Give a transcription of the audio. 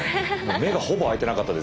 目がほぼ開いてなかったです